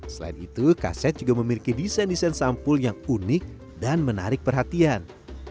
selain itu kaset juga memiliki desain desain sampul yang unik dan menarik perhatian